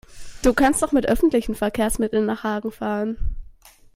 Du kannst doch mit öffentlichen Verkehrsmitteln nach Hagen fahren